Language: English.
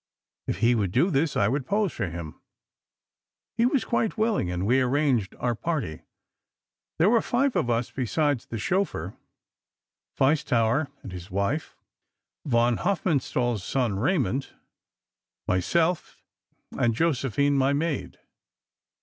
If he would do this, I would pose for him. He was quite willing, and we arranged our party. There were five of us besides the chauffeur: Feistauer and his wife; von Hofmannsthal's son Raymond; myself, and Josephine, my maid.